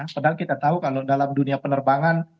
padahal kita tahu kalau dalam dunia penerbangan